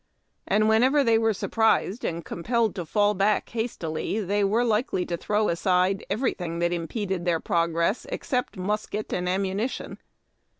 And whenever they were surprised and compelled to fall back hastily, they were likely to throw aside everything that impeded their progress except musket and ammunition.